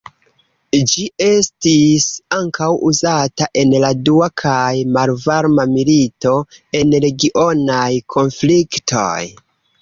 Ĝi estis ankaŭ uzata en la dua kaj malvarma milito, en regionaj konfliktoj.